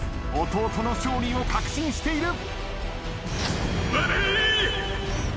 弟の勝利を確信している。